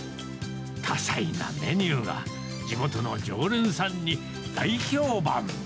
多彩なメニューが地元の常連さんに大評判。